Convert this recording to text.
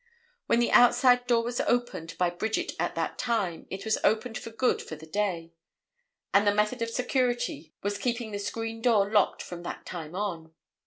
When the outside door was opened by Bridget at that time it was opened for good for the day, and the method of security was keeping the screen door locked from that time on.